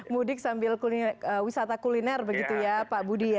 mudik sambil wisata kuliner begitu ya pak budi ya